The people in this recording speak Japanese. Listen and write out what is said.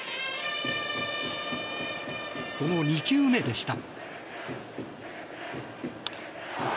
その２球目でした。